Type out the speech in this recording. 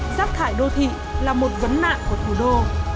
rác thải đô thị là một vấn nạn của thủ đô